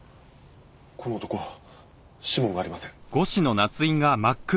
この男指紋がありません。